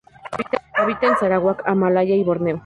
Habita en Sarawak, Malaya y Borneo.